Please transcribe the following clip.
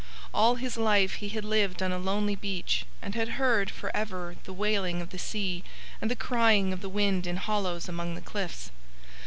All his life he had lived on a lonely beach and had heard for ever the wailing of the sea and the crying of the wind in hollows among the cliffs.